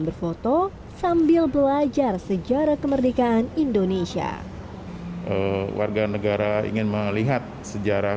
berfoto sambil belajar sejarah kemerdekaan indonesia warga negara ingin melihat sejarah